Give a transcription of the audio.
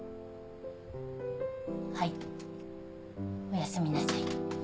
おやすみなさい。